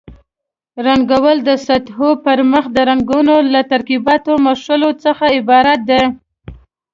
رنګول د سطحو پرمخ د رنګونو له ترکیباتو مښلو څخه عبارت دي.